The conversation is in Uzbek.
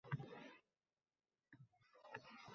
Darhol bu musibatni aritgani uchun Allohga shukr etdi.